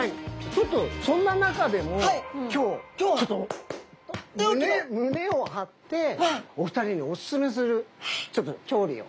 ちょっとそんな中でも今日ちょっと胸胸を張ってお二人におすすめするちょっと調理を。